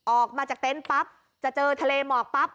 ออกมาจากเต็นต์ปั๊บจะเจอทะเลหมอกปั๊บ